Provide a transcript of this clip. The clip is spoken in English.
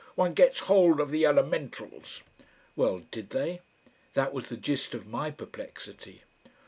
One gets hold of the Elementals." (Well, did they? That was the gist of my perplexity.)